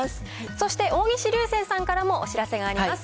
そして大西流星さんからもお知らせがあります。